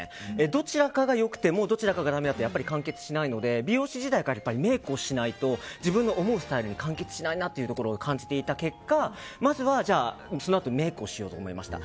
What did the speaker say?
どちらかがよくてもどちらかが悪いと完結しないので美容師時代もメイクをしないと自分の思うスタイルに完結しないなというところを感じていた結果まずは、メイクをしようと思いました。